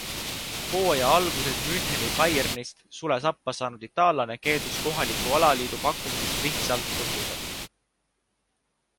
Hooaja alguses Müncheni Bayernist sule sappa saanud itaallane keeldus kohaliku alaliidu pakkumisest lihtsalt põhjusel.